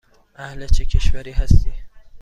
اهل چه کشوری هستی؟